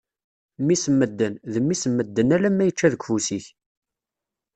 Mmi-s n medden, d mmi-s n medden, alemma yečča deg ufus-ik.